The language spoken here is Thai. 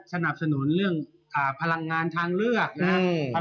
สนับสนุนเรื่องพลังงานทางเลือกนะครับ